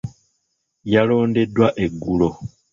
Yalondeddwa eggulo.